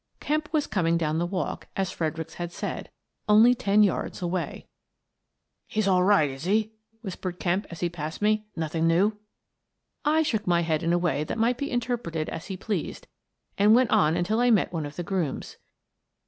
Kemp was coming down the walk, as Fredericks had said, only ten yards away. 144 N I Resign H5 " He's all right, is he? " whispered Kemp, as he passed me. " Nothing new ?" I shook my head in a way that might be inter preted as he pleased and went on until I met one of the grooms.